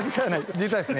実はですね。